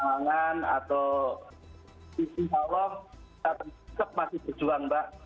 tapi tetap masih berjuang mbak